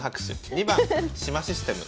２番島システム。